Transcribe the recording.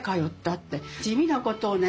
地味なことをね